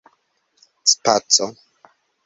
spaco